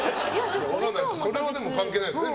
それはでも関係ないですよね。